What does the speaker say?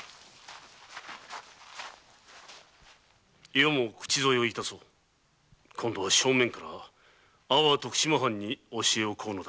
余も口添え致そう今度は正面から阿波徳島藩に教えを請うのだ。